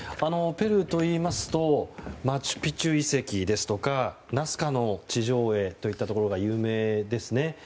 ペルーといいますとマチュピチュ遺跡ですとかナスカの地上絵といったところが有名ですね。